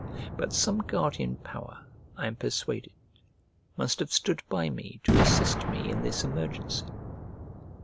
But some guardian power, I am persuaded, must have stood by me to assist me in this emergency.